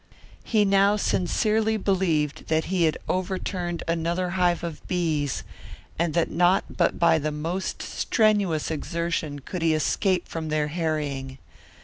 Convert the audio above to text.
He now sincerely believed that he had overturned another hive of bees, and that not but by the most strenuous exertion could he escape from their harrying.